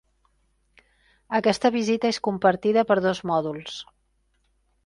Aquesta visita és compartida per dos mòduls.